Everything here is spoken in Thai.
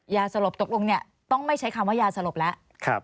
ยาสลบตกลงต้องไม่ใช้คำว่ายาสลบแล้ว